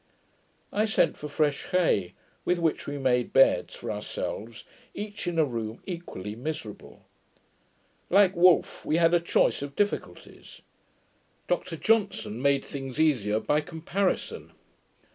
I sent for fresh hay, with which we made beds for ourselves, each in a room, equally miserable. Like Wolfe, we had a 'choice of difficulties'. Dr Johnson made things easier by comparison.